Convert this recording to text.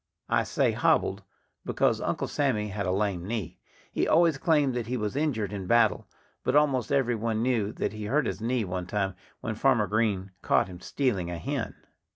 I say hobbled, because Uncle Sammy had a lame knee. He always claimed that he was injured in battle. But almost every one knew that he hurt his knee one time when Farmer Green caught him stealing a hen.